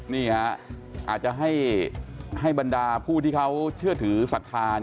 นี่ฮะอาจจะให้บรรดาผู้ที่เขาเชื่อถือศรัทธา